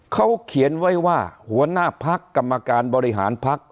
เขาเขียนไว้ว่าหัวหน้าพักกรรมการบริหารพัก